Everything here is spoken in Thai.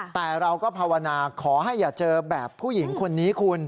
แต่เราก็ภาวนาขอให้อย่าเจอแบบผู้หญิงคนนี้คุณ